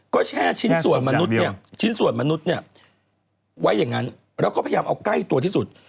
ก็แช่ชิ้นส่วนมนุษย์ไว้อย่างงั้นแล้วก็พยายามเอาใกล้ตัวที่สุด